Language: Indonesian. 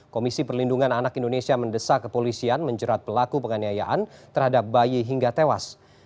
komisi perlindungan anak indonesia mendesak kepolisian menjerat pelaku penganiayaan terhadap bayi hingga tewas